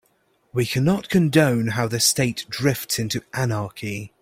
We cannot condone how the state drifts into anarchy.